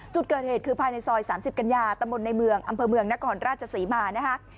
จุดเกิดเหตุคือภายในซอย๓๐กัญญาตำบลในเมืองอำเภอเมืองนครราชศรีมานะคะ